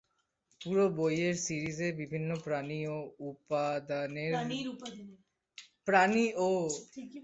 পুরো বইয়ের সিরিজে বিভিন্ন প্রাণী ও উপাদানের বর্ণনা দেয়া হয়েছে।